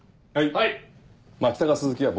はい。